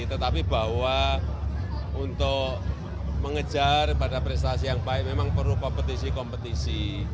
tetapi bahwa untuk mengejar pada prestasi yang baik memang perlu kompetisi kompetisi